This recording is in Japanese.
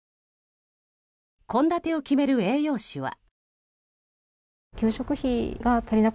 献立を決める栄養士は。